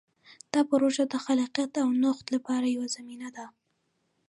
دا پروژه د خلاقیت او نوښت لپاره یوه زمینه ده.